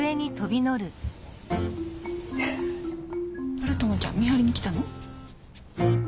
あらトムちゃん見張りに来たの？